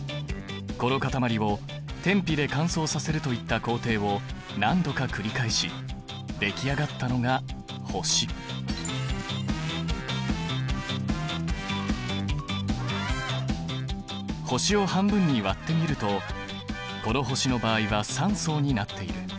この固まりを天日で乾燥させるといった工程を何度か繰り返し出来上がったのが星を半分に割ってみるとこの星の場合は３層になっている。